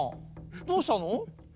どうしたの？